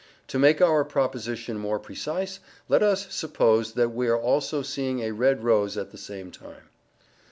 To make our proposition more precise, let us suppose that we are also seeing a red rose at the same time.